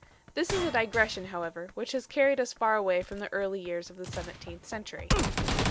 This is a digression, however, which has carried us far away from the early years of the seventeenth century.